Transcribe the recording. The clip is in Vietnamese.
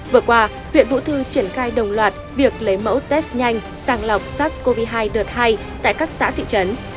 vừa qua huyện vũ thư triển khai đồng loạt việc lấy mẫu test nhanh sàng lọc sars cov hai đợt hai tại các xã thị trấn